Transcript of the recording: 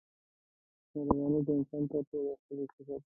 مهرباني د انسان تر ټولو ښکلی صفت دی.